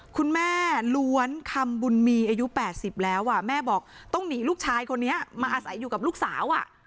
คุณแม่ล้วนคำบุญมีอายุ๘๐แล้วแม่บอกต้องหนีลูกชายคนนี้มาอาศัยอยู่กับลูกสาว